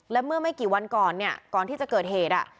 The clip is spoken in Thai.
และเมื่อไม่กี่วันก่อนเนี่ยก่อนที่จะเกิดเหตุ